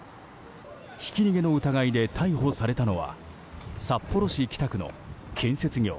ひき逃げの疑いで逮捕されたのは札幌市北区の建設業